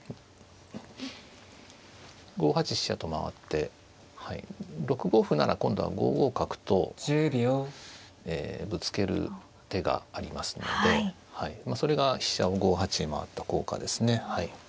５八飛車と回って６五歩なら今度は５五角とぶつける手がありますのでそれが飛車を５八へ回った効果ですね。